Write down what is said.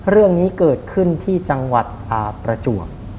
เรื่องนี้เกิดขึ้นที่จังหวัดประจวบ